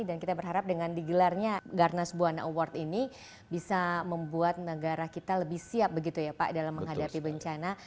dan kita berharap dengan digelarnya garnas buwana award ini bisa membuat negara kita lebih siap begitu ya pak dalam menghadapi bencana